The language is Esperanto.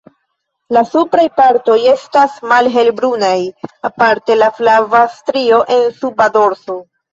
La supraj partoj estas malhelbrunaj aparte el flava strio en suba dorso.